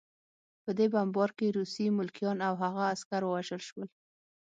په دې بمبار کې روسي ملکیان او هغه عسکر ووژل شول